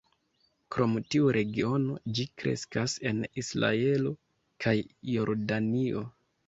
Krom tiu regiono, ĝi kreskas en Israelo kaj Jordanio.